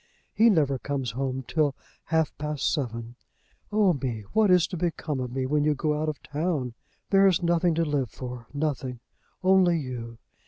He never comes home till half past seven. Oh me! what is to become of me when you go out of town? There is nothing to live for, nothing; only you.